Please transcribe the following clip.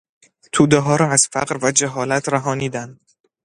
تودهها را از فقر و جهالت رهانیدن